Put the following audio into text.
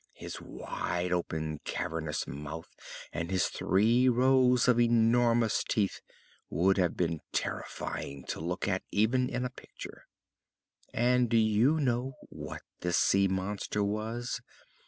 His wide open, cavernous mouth and his three rows of enormous teeth would have been terrifying to look at even in a picture. And do you know what this sea monster was?